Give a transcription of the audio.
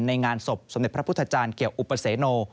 งานศพสมเด็จพระพุทธจารย์เกี่ยวอุปเสโน